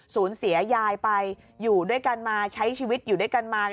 สูญเสียยายไปอยู่ด้วยกันมาใช้ชีวิตอยู่ด้วยกันมา